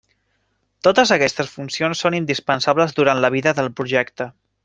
Totes aquestes funcions són indispensables durant la vida del projecte.